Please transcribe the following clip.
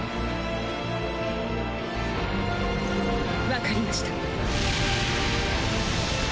わかりました。